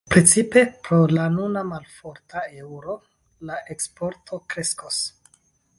Precipe pro la nuna malforta eŭro la eksporto kreskos.